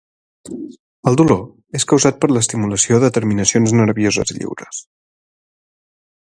El dolor és causat per l'estimulació de terminacions nervioses lliures.